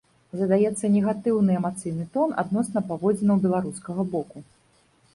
Задаецца негатыўны эмацыйны тон адносна паводзінаў беларускага боку.